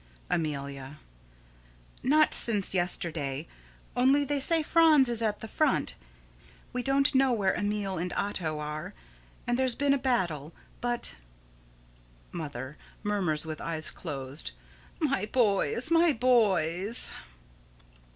Amelia: Not since yesterday. Only they say Franz is at the front. We don't know where Emil and Otto are, and there's been a battle; but Mother: [Murmurs, with closed eyes.] My boys! my boys!